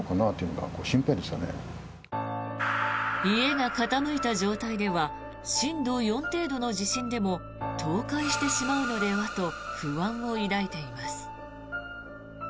家が傾いた状態では震度４程度の地震でも倒壊してしまうのではと不安を抱いています。